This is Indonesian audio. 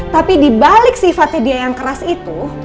tapi dibalik sifatnya dia yang keras itu